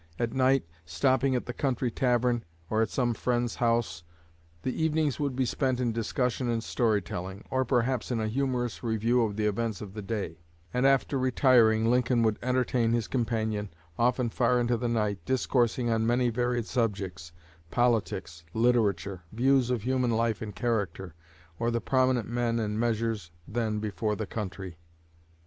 At night, stopping at the country tavern or at some friend's house, the evenings would be spent in discussion and story telling, or perhaps in a humorous review of the events of the day; and after retiring, Lincoln would entertain his companion, often far into the night, discoursing on many varied subjects, politics, literature, views of human life and character, or the prominent men and measures then before the country.